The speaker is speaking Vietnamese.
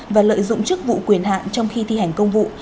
và lợi dụng chức vụ quyền hạn trong khi thi hành công vụ